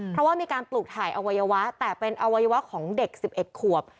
เพราะว่ามีการปลูกถ่ายอวัยวะแต่เป็นอวัยวะของเด็ก๑๑ขวบ